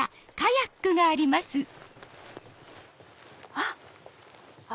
あっ！